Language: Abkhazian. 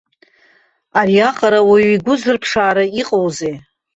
Ариаҟара уаҩ игәы зырԥшаара иҟоузеи.